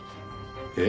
えっ？